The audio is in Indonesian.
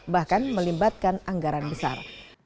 bahkan melibatkan anggaran besar